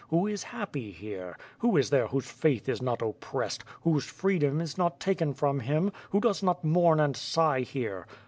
Who is happy here? Who is there whose faith is not oppressed, whose freedom is not taken from him, who does not mourn and sigh here?